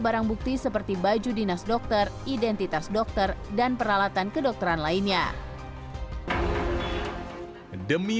barang bukti seperti baju dinas dokter identitas dokter dan peralatan kedokteran lainnya demi